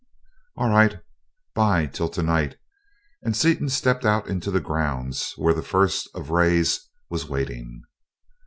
"All right. 'Bye till tonight," and Seaton stepped out into the grounds, where the First of Rays was waiting.